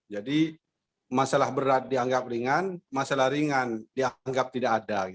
jadi masalah berat dianggap ringan masalah ringan dianggap tidak ada